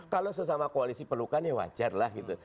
kalau sesama koalisi pelukan ya wajar lah gitu